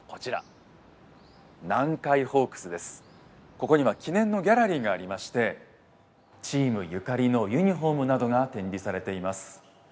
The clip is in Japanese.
ここには記念のギャラリーがありましてチームゆかりのユニフォームなどが展示されています。